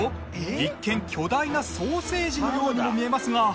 一見巨大なソーセージのようにも見えますが。